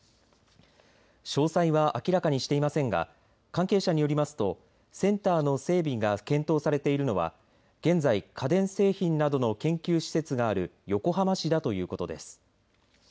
詳細は明らかにしていませんが関係者によりますとセンターの整備が検討されているのは現在、家電製品などの研究施設がある横浜市だということです。